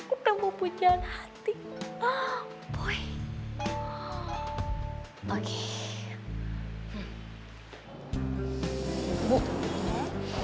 udah mau puja hati ah boy